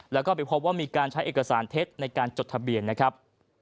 แล้วก็ไปพบว่ามีการใช้เอกสารเท็จในการจดทะเบียนนะครับ